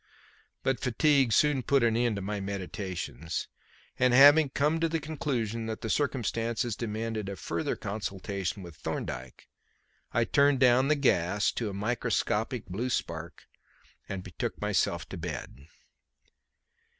But fatigue soon put an end to my meditations; and having come to the conclusion that the circumstances demanded a further consultation with Thorndyke, I turned down the gas to a microscopic blue spark and betook myself to bed.